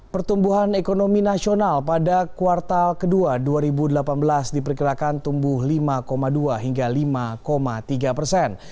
pertumbuhan ekonomi nasional pada kuartal ke dua dua ribu delapan belas diperkirakan tumbuh lima dua hingga lima tiga persen